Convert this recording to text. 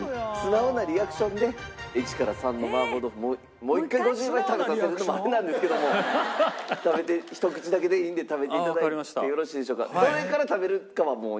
１から３の麻婆豆腐もう一回５０倍食べさせるのもあれなんですけども食べてひと口だけでいいんで食べて頂いてよろしいでしょうか？